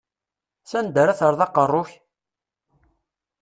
S anda ara terreḍ aqerru-k?